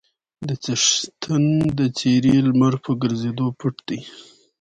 د څښتن د څېرې لمر په ګرځېدو پټ دی.